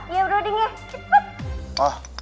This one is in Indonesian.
iya brody ya cepet